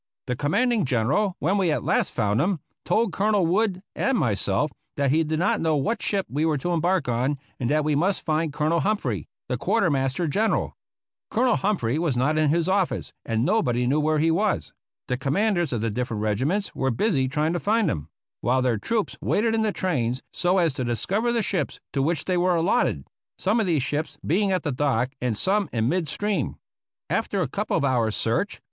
The com manding General, when we at last found him, told Col onel Wood and myself that he did not know what ship we were to embark on, and that we must find Colonel Humphrey, the Quartermaster General. Colonel Hum phrey was not in his office, and nobody knew where he was. The commanders of the different regiments were busy trying to find him, while their troops waited in the trains, so as to discover the ships to which they were allot ted — ^some of these ships being at the dock and some in mid stream. After a couple of hours' search.